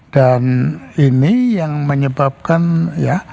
dan ini yang menyebabkan ya